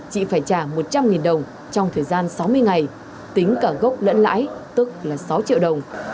chị phải trả một trăm linh đồng trong thời gian sáu mươi ngày tính cả gốc lẫn lãi tức là sáu triệu đồng